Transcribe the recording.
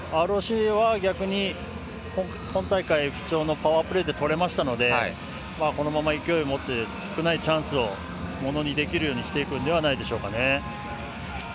ＲＯＣは逆に今大会不調のパワープレーで取れましたのでこのまま、勢いを持って少ないチャンスをものにできるようにしていくのではないでしょうか。